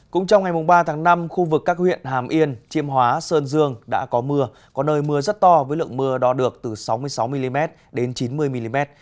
cũng trong ngày ba tháng năm khu vực các huyện hàm yên chiêm hóa sơn dương đã có mưa có nơi mưa rất to với lượng mưa đo được từ sáu mươi sáu mm đến chín mươi mm